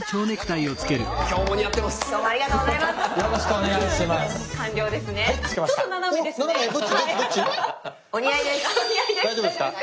ありがとうございます。